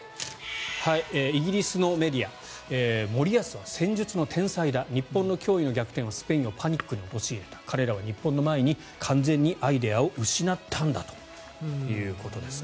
イギリスのメディアモリヤスは戦術の天才だ日本の驚異の逆転はスペインをパニックに陥れた彼らは日本の前に完全にアイデアを失ったんだということです。